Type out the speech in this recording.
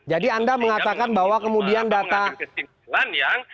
jadi anda mengatakan bahwa kemudian data